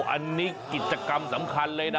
อันนี้กิจกรรมสำคัญเลยนะ